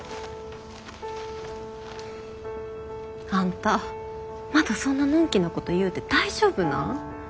あんたまたそんなのんきなこと言うて大丈夫なん？